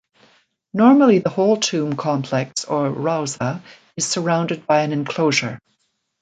Normally the whole tomb complex or "rauza" is surrounded by an enclosure.